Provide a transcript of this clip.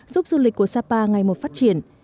giúp du lịch của sapa ngày một phát triển